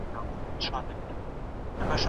رئيس وويل چي امنيت زموږ لومړنۍ اړتيا ده.